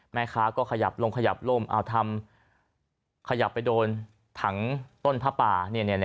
แม่ค้าก็ขยับลงขยับล่มทำขยับไปโดนถังต้นผ้าป่า